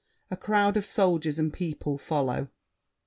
A crowd of soldiers and people follow.